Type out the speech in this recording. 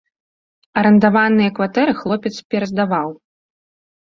Арандаваныя кватэры хлопец пераздаваў.